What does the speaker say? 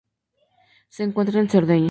Se encuentra en Cerdeña.